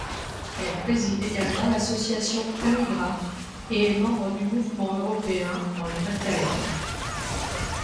Elle préside également l'association Amigraf, et est membre du Mouvement européen dans le Pas-de-Calais.